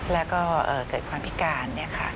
แล้วก็เกิดความพิการ